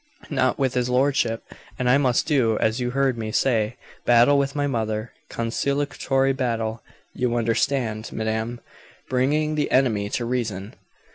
"Not with his lordship. And I must do as you heard me say battle with my mother. Conciliatory battle, you understand, madame; bringing the enemy to reason."